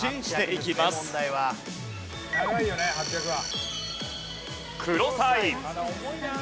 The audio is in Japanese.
長いよね８００は。